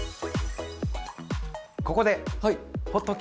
ここで。